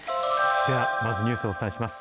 ではまずニュースをお伝えします。